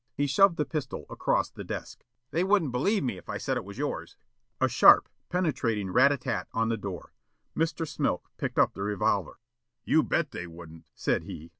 He shoved the pistol across the desk. "They wouldn't believe me if I said it was yours." A sharp, penetrating rat a tat on the door. Mr. Smilk picked up the revolver. "You bet they wouldn't," said he.